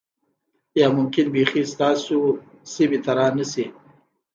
یا ممکن بیخی ستاسو سیمې ته را نشي